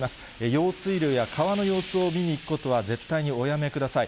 用水路や川の様子を見に行くことは絶対におやめください。